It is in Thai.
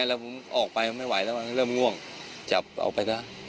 แล้วผมออกไปไม่ไหวแล้วมันเริ่มง่วงจับออกไปซะ